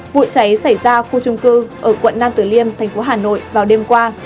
vụ cháy xảy ra khu trung cư ở quận nam tử liêm thành phố hà nội vào đêm qua